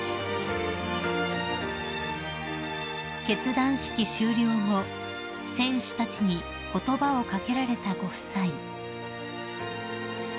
［結団式終了後選手たちに言葉を掛けられたご夫妻］